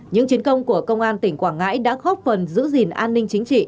những chiến công của công an tỉnh quảng ngãi đã góp phần giữ gìn an ninh chính trị